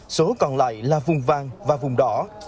số còn lại là vùng vàng và vùng đỏ